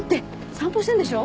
散歩してんでしょ。